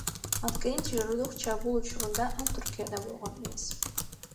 Анткени террордук чабуул учурунда ал Түркияда болгон эмес.